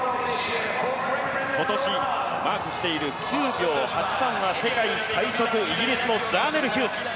今年マークしている９秒８３は世界最速、イギリスのザーネル・ヒューズ。